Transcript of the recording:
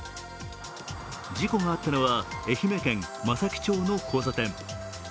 事故があったのは愛媛県松前町の交差点。